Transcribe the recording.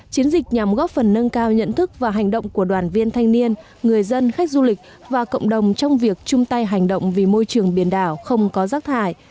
chiến dịch nhằm góp phần nâng cao nhận thức và hành động của đoàn viên thanh niên người dân khách du lịch và cộng đồng trong việc chung tay hành động vì môi trường biển đảo không có rác thải